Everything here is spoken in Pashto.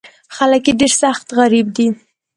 خلک یې ډېر سخت غریب دي.